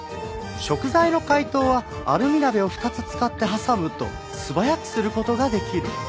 食材の解凍はアルミ鍋を２つ使って挟むと素早くする事ができる。